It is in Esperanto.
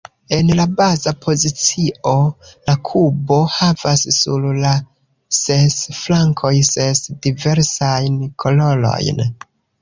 En la baza pozicio, la kubo havas sur la ses flankoj ses diversajn kolorojn.